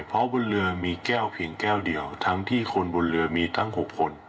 เพราะบนเรือมีแก้วเพียงแก้วเดียวทั้งที่คนบนเรือมีทั้ง๖คน